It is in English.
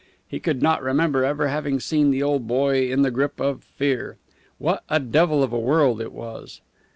He could not remember ever having seen the old boy in the grip of fear. What a devil of a world it was!